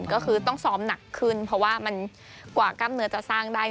ก็คือต้องซ้อมหนักขึ้นเพราะว่ามันกว่ากล้ามเนื้อจะสร้างได้